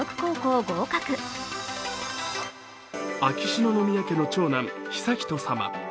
秋篠宮家の長男・悠仁さま。